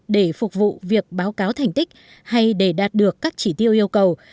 để phục vụ việc báo cáo thành tích hay để đạt được các chỉ tiêu yêu cầu